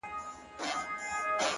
زما د زړه د كـور ډېـوې خلگ خبــري كوي،